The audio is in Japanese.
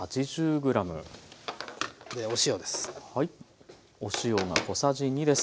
でお塩です。